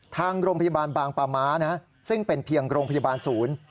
ทางโรงพยาบาลบางปาม้าซึ่งเป็นเพียงโรงพยาบาลศูนย์